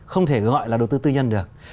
không thể gọi là đầu tư tư nhân được